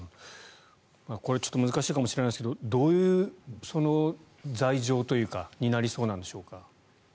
これは難しいかもしれないですがどういう罪状になりそうなんでしょうか？